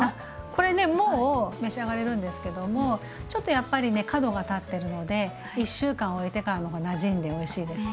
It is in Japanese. これねもう召し上がれるんですけどもちょっとやっぱりね角が立ってるので１週間おいてからの方がなじんでおいしいです。